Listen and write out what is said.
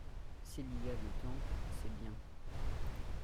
S'il y a le temps c'est bien.